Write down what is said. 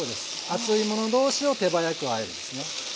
熱いもの同士を手早くあえるんですね。